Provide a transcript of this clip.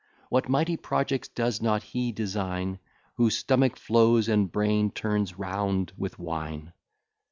What mighty projects does not he design, Whose stomach flows, and brain turns round with wine?